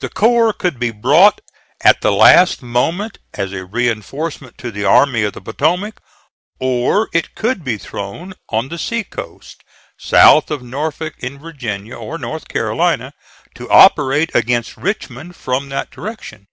The corps could be brought at the last moment as a reinforcement to the Army of the Potomac, or it could be thrown on the sea coast, south of Norfolk, in Virginia or North Carolina, to operate against Richmond from that direction.